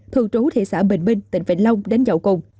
thường trú thị xã bình minh tỉnh vĩnh long đến dậu cùng